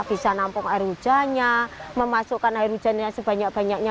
bisa nampung air hujannya memasukkan air hujannya sebanyak banyaknya